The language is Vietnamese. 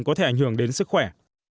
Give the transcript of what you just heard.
có thể ảnh hưởng đến sức khỏe